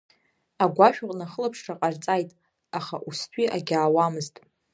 Агәашә аҟны ахылаԥшра ҟарҵаит, аха устәи агьаауамызт.